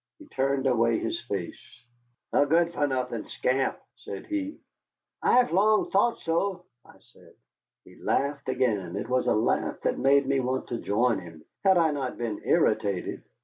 He turned away his face. "A good for nothing scamp," said he. "I have long thought so," I said. He laughed again. It was a laugh that made me want to join him, had I not been irritated.